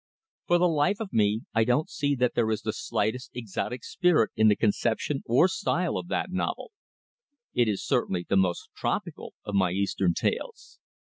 For the life of me I don't see that there is the slightest exotic spirit in the conception or style of that novel. It is certainly the most tropical of my eastern tales.